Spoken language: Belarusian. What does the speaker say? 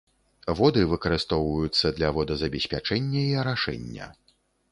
Воды выкарыстоўваюцца для водазабеспячэння і арашэння.